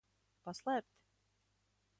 Paslēpt?